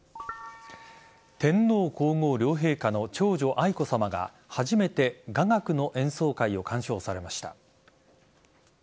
天皇皇后両陛下の長女愛子さまが初めて雅楽の演奏会を鑑賞されました。